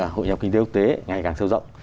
hội nhập kinh tế quốc tế ngày càng sâu rộng